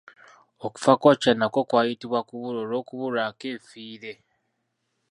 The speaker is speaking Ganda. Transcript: Okufa kwa Chwa nakwo kwayitibwa kubula olw'okubulwako effiire.